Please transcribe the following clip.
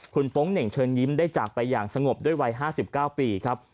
คุณโป๊งเหน่งเชิญยิ้มได้จากไปอย่างสงบด้วยวัย๕๙ปีครับ